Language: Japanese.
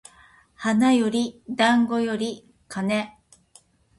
花より団子より金